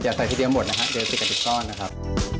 อย่าใส่ทีเดียวหมดนะครับเดี๋ยวติดกันอีกก้อนนะครับ